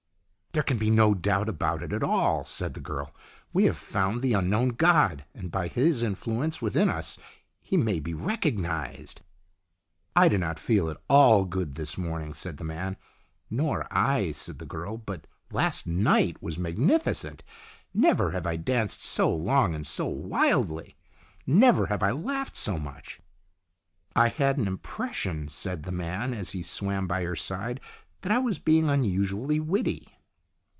" There can be no doubt about it at all," said the girl. " We have found the unknown god, and by his influence within us he may be recognized." "I do not feel at all good this morning," said the man. "Nor I," said the girl. "But last night was H H4 STORIES IN GREY magnificent. Never have I danced so long and so wildly. Never have I laughed so much." " I had an impression," said the man, as he swam by her side, "that I was being unusually witty."